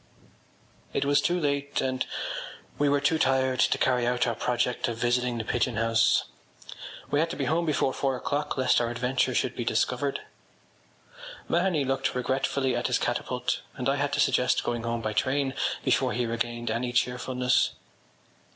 It was too late and we were too tired to carry out our project of visiting the Pigeon House. We had to be home before four o’clock lest our adventure should be discovered. Mahony looked regretfully at his catapult and I had to suggest going home by train before he regained any cheerfulness.